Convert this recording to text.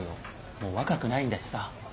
もう若くないんだしさ。